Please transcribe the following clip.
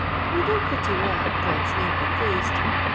We do pritty well, GihI's name be praised